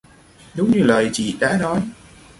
Đúng như lời chị đã nói